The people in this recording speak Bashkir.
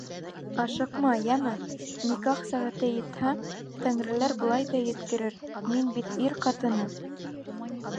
— Ашыҡма, йәме, никах сәғәте етһә, тәңреләр былай ҙа еткерер, мин бит ир ҡатыны.